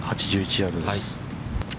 ◆８１ヤードです。